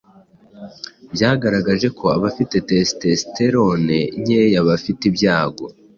bwagaragaje ko abafite testosterone nkeya bafite ibyago